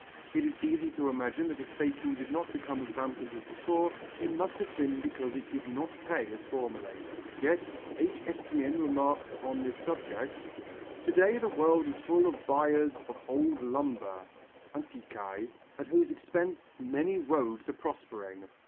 It is easy to imagine that if faking did not become as rampant as before, it must have been because it did not pay as formerly. Yet H. Estienne remarks on this subject: "To day the world is full of buyers of old lumber (antiquailles), at whose expense many rogues are prospering.